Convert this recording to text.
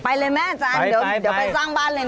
ไปเลยแม่อาจารย์เดี๋ยวไปสร้างบ้านเลย